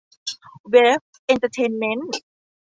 เวฟ เอ็นเตอร์เทนเมนท์